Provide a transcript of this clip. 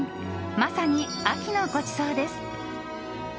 まさに秋のごちそうです。